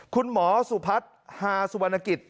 คุณหมอสุพัฒน์ฮาสุวรรณกิจ